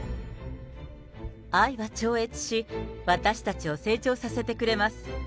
愛は超越し、私たちを成長させてくれます。